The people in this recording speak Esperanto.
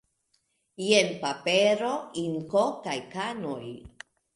Jen papero, inko kaj kanoj.